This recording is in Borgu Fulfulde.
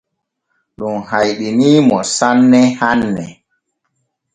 Ɗum hayɗinii mo sanne hanne.